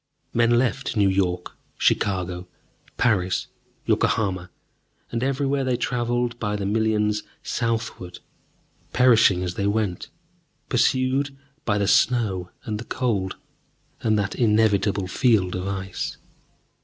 Men left New York, Chicago, Paris, Yokohama, and everywhere they traveled by the millions southward, perishing as they went, pursued by the snow and the cold, and that inevitable field of ice.